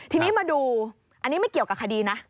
ทีนี้มาดูอันนี้ไม่เกี่ยวกับคดีนะ